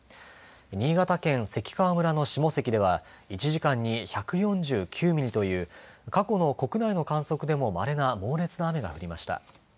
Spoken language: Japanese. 新潟県関川村の下関では１時間に１４９ミリという過去の国内の観測でもまれな猛烈な雨が降りました。